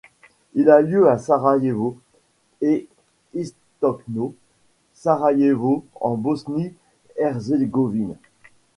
Il a lieu à Sarajevo et Istočno Sarajevo, en Bosnie-Herzégovine.